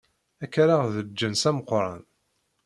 Ad k-rreɣ d lǧens ameqran.